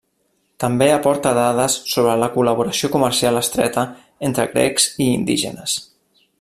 També aporta dades sobre la col·laboració comercial estreta entre grecs i indígenes.